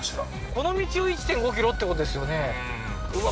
この道を１．５ｋｍってことですよねうわ